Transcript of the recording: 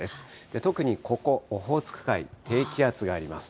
特にここ、オホーツク海、低気圧があります。